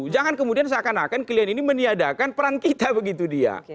jangan kemudian seakan akan kalian ini meniadakan peran kita begitu dia